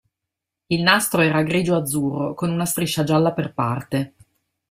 Il nastro era grigio-azzurro con una striscia gialla per parte